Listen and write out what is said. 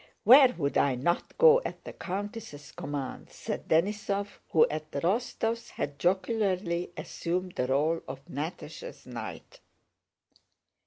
"Where would I not go at the countess' command!" said Denísov, who at the Rostóvs' had jocularly assumed the role of Natásha's knight.